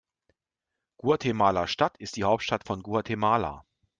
Guatemala-Stadt ist die Hauptstadt von Guatemala.